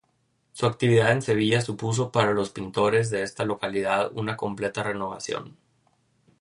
Su actividad en Sevilla supuso para los pintores de esta localidad una completa renovación.